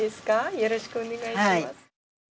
よろしくお願いします。